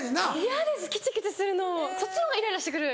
嫌ですきちきちするのそっちの方がイライラしてくる。